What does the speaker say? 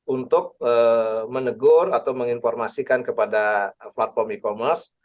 untuk menegur atau menginformasikan kepada platform e commerce